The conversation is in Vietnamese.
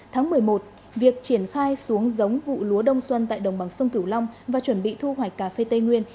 tháng một mươi một việc triển khai xuống giống vụ lúa đông xuân tại đồng bằng sông cửu long và chuẩn bị thu hoạch cà phê tây nguyên